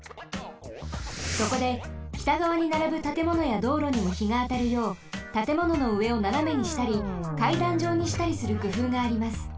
そこで北がわにならぶたてものやどうろにもひがあたるようたてもののうえをななめにしたりかいだんじょうにしたりするくふうがあります。